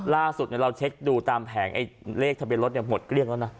ล่าสุดเนี่ยเราเช็คดูตามแผงไอ้เลขทะเบียนรถเนี่ยหมดเกลี้ยงแล้วนะ